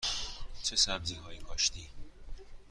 چه سبزی هایی کاشتی؟